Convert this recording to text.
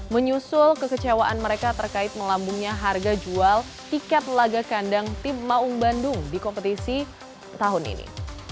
menyusul kekecewaan mereka terkait melambungnya harga jual tiket laga kandang tim maung bandung di kompetisi tahun ini